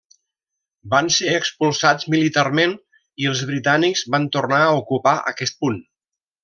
Van ser expulsats militarment i els britànics van tornar a ocupar aquest punt.